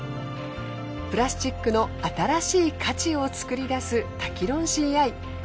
プラスチックの新しい価値を作り出すタキロンシーアイ。